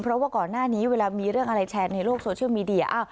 เพราะว่าก่อนหน้านี้เวลามีเรื่องอะไรแชร์ในโลกโซเชียลมีเดีย